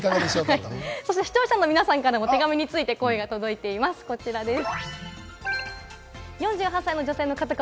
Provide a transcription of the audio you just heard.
視聴者の皆さんからも手紙について声が届いています、こちらです。